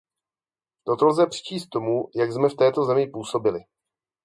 Toto lze přičíst tomu, jak jsme v této zemi působili.